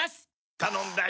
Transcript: たのんだよ。